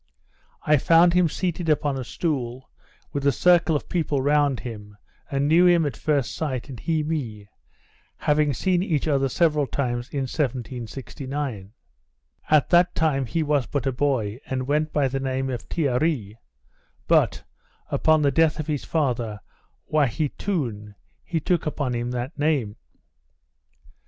I found him seated upon a stool, with a circle of people round him, and knew him at first sight, and he me, having seen each other several times in 1769. At that time he was but a boy, and went by the name of Tearee, but, upon the death of his father, Waheatoun, he took upon him that name.